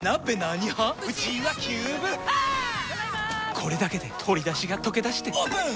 これだけで鶏だしがとけだしてオープン！